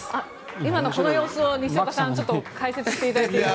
今のこの様子を西岡さん解説していただけますか。